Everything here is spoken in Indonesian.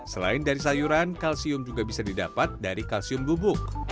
selain dari sayuran kalsium juga bisa didapat dari kalsium bubuk